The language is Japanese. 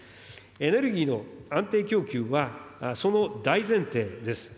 エネルギーの安定供給は、その大前提です。